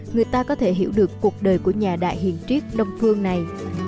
người ta có thể hiểu được cuộc đời của nhà đại hiền triết đông phương này